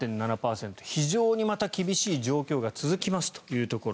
非常にまた厳しい状況が続きますと。